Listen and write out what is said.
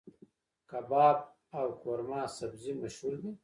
کباب او قورمه سبزي مشهور دي.